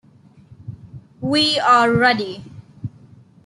We are ready.